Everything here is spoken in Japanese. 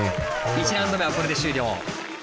１ラウンド目はこれで終了。